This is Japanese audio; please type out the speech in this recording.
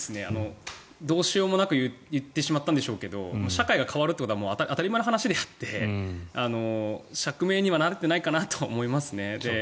どうしようもなく言ってしまったんでしょうけど社会が変わるっていうことは当たり前の話であって釈明にはなってないかなと思いますね。